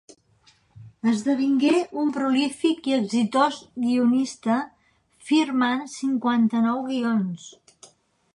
Esdevingué un prolífic i exitós guionista, firmant cinquanta-nou guions.